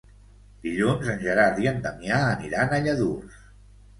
Dilluns en Gerard i en Damià aniran a Lladurs.